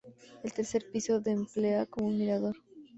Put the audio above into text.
El tercer piso de emplea como mirador.